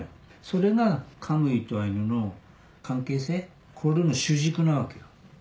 それがカムイとアイヌの関係性これの主軸なわけよ。